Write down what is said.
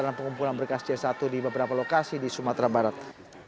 dan pengumpulan berkas c satu di beberapa lokasi di sumatera barat